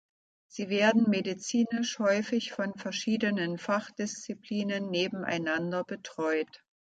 Sie werden medizinisch häufig von verschiedenen Fachdisziplinen nebeneinander betreut.